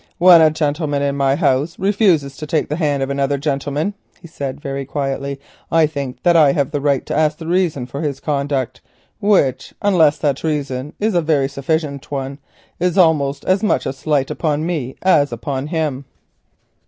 "When a gentleman in my house refuses to take the hand of another gentleman," he said very quietly, "I think that I have a right to ask the reason for his conduct, which, unless that reason is a very sufficient one, is almost as much a slight upon me as upon him."